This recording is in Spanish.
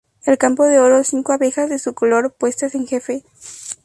En campo de oro, cinco abejas, de su color, puestas en jefe.